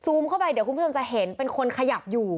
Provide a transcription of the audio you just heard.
เข้าไปเดี๋ยวคุณผู้ชมจะเห็นเป็นคนขยับอยู่